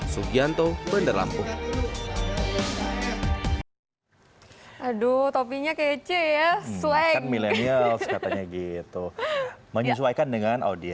sukianto bandar lampung